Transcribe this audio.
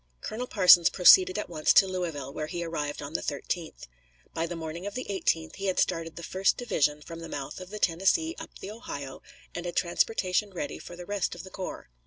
Colonel Parsons proceeded at once to Louisville, where he arrived on the 13th. By the morning of the 18th he had started the first division from the mouth of the Tennessee up the Ohio, and had transportation ready for the rest of the corps.